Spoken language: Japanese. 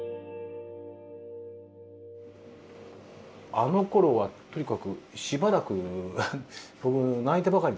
あのころはとにかくしばらく僕泣いてばかりだったんで。